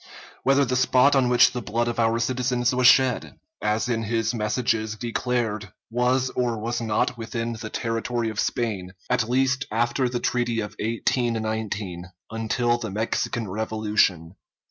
_ Whether the spot on which the blood of our citizens was shed, as in his messages declared, was or was not within the territory of Spain, at least after the treaty of 1819, until the Mexican revolution.